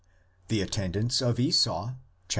The attendants of Esau (xxxii.